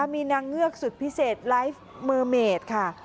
มีนางเงือกสุดพิเศษไลฟ์มือเมดค่ะ